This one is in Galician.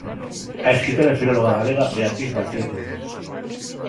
A escritora e filóloga galega Beatriz García Turnes.